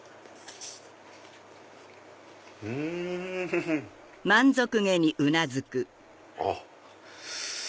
うん！あっ！